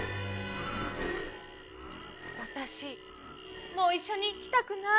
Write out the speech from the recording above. わたしもういっしょにいきたくない。